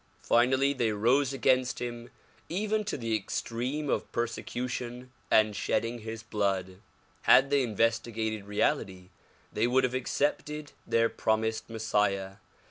Finally they rose against him even to the extreme of persecution and shedding his blood. Had they investigated reality they would have accepted their promised Messiah.